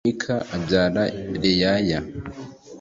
mika abyara reyaya